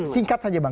singkat saja bang